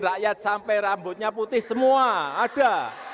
rakyat sampai rambutnya putih semua ada